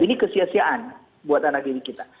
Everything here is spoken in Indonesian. ini kesia siaan buat anak didik kita